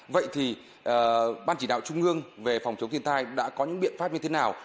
vậy thì ban chỉ đạo trung ương về phòng chống thiên tai đã có những biện pháp như thế nào